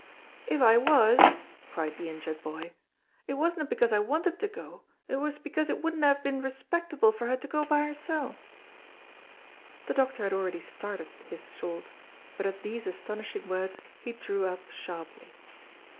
"If I was," cried the injured boy, "it wasna because I wanted to go, it was because it wouldna have been respectable for her to go by hersel'." The doctor had already started his shalt, but at these astonishing words he drew up sharply.